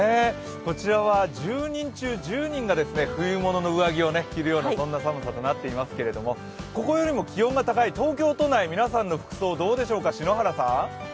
こちらは１０人中１０人が冬物の上着を着るような寒さとなっていますけど、ここよりも気温が高い東京都内、皆さんの服装はどうでしょうか？